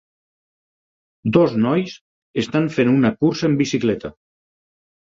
Dos nois estan fent una cursa en bicicleta.